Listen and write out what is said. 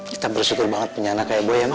kita bersyukur banget punya anak kayak boy ya ma